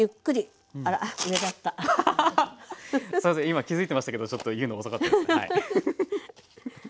今気付いてましたけどちょっと言うのが遅かったですね。